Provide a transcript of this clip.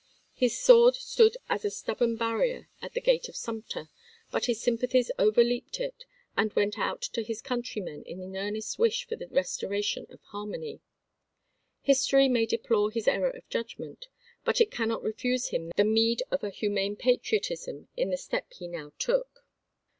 His sword stood as a stubborn barrier at the gate of Sumter, but his sympathies overleaped it and went out to his countrymen in an earnest wish for the restoration of harmony. History may deplore his error of judgment, but it cannot refuse him the meed of a humane patriotism in the step he now took.